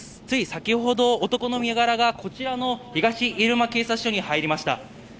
つい先程、男の身柄がこちらの東入間警察署に入りました。